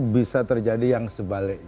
bisa terjadi yang sebalik